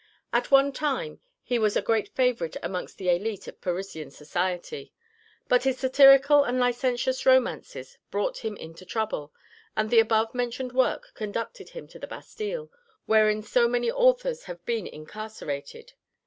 At one time he was a great favourite amongst the élite of Parisian society. But his satirical and licentious romances brought him into trouble, and the above mentioned work conducted him to the Bastille, wherein so many authors have been incarcerated.